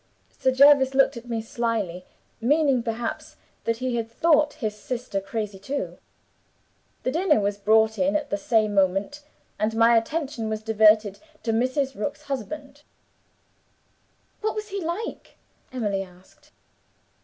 Sir Jervis looked at me slyly; meaning, perhaps, that he thought his sister crazy too. The dinner was brought in at the same moment, and my attention was diverted to Mrs. Rook's husband." "What was he like?" Emily asked.